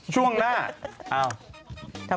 ช่วงหน้า